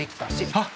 あっ！